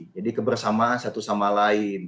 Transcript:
jadi kebersamaan satu sama lain